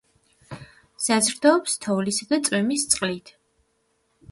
საზრდოობს თოვლისა და წვიმის წყლით.